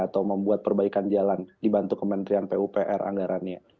atau membuat perbaikan jalan dibantu kementerian pupr anggarannya